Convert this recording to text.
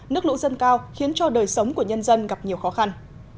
nước lũ dâng cao khiến cho đời sống của nhân dân gặp nhiều khó khăn